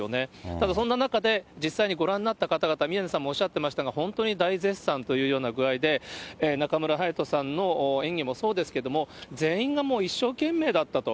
ただそんな中で実際にご覧になった方々、宮根さんもおっしゃっていましたが、本当に大絶賛という具合で、中村隼人さんの演技もそうですけど、全員がもう一生懸命だったと。